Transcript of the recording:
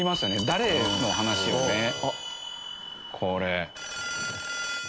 誰の話をね。これ。